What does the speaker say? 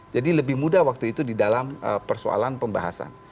jadi lebih mudah waktu itu di dalam persoalan pembahasan